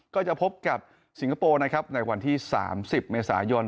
ก็จะพบกับสิงคโปร์นะครับในวันที่๓๐เมษายน